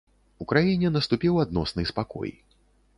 У краіне наступіў адносны спакой.